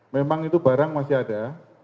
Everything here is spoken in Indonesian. memang itu barang masih ada